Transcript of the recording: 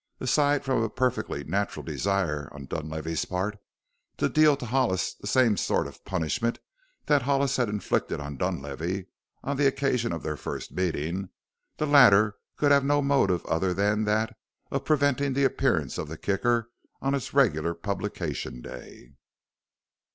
Aside from a perfectly natural desire on Dunlavey's part to deal to Hollis the same sort of punishment that Hollis had inflicted on Dunlavey on the occasion of their first meeting, the latter could have no motive other than that of preventing the appearance of the Kicker on its regular publication day.